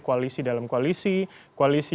koalisi dalam koalisi koalisi